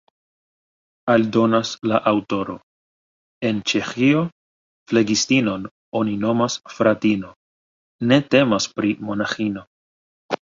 Aldonas la aŭtoro: En Ĉeĥio flegistinon oni nomas fratino: ne temas pri monaĥino.